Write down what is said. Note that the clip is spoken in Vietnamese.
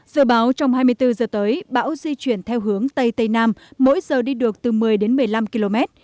dự báo trong hai mươi bốn giờ tới bão di chuyển theo hướng tây tây nam mỗi giờ đi được từ một mươi đến một mươi năm km